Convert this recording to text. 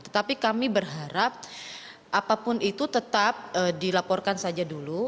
tetapi kami berharap apapun itu tetap dilaporkan saja dulu